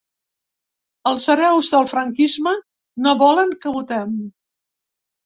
Els hereus del franquisme no volen que votem.